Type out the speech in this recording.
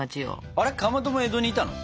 あれかまども江戸にいたの？